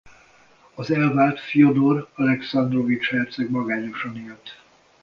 Az elvált Fjodor Alekszandrovics herceg magányosan élt.